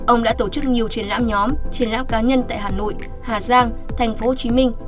ông đã tổ chức nhiều triển lãm nhóm triển lãm cá nhân tại hà nội hà giang tp hcm